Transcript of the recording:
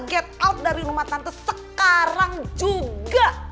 get out dari rumah tante sekarang juga